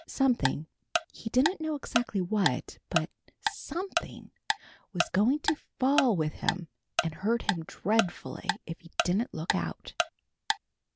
Something, he didn't know exactly what, but something was going to fall with him and hurt him dreadfully if he didn't look out.